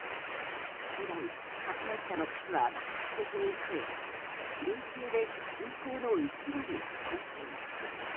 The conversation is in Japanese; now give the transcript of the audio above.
以来、発熱者の数は爆発的に増え累計で人口の１割を超えています。